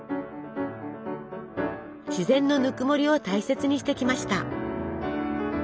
自然のぬくもりを大切にしてきました。